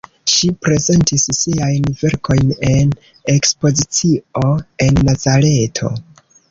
Ŝi prezentis siajn verkojn en ekspozicio en Nazareto.